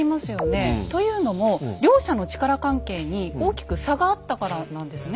というのも両者の力関係に大きく差があったからなんですね。